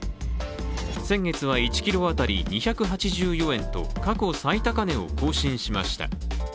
先月は１ｋｇ当たり２８４円と過去最高値を更新しました。